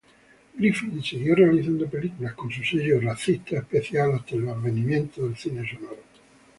Griffith siguió realizando películas con su sello especial hasta el advenimiento del cine sonoro.